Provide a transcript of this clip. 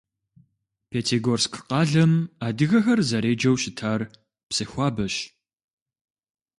Пятигорск къалэм адыгэхэр зэреджэу щытар Псыхуабэщ.